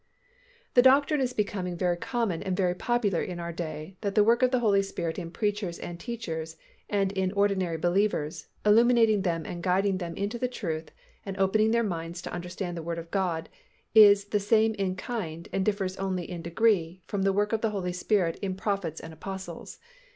The doctrine is becoming very common and very popular in our day that the work of the Holy Spirit in preachers and teachers and in ordinary believers, illuminating them and guiding them into the truth and opening their minds to understand the Word of God is the same in kind and differs only in degree from the work of the Holy Spirit in prophets and apostles.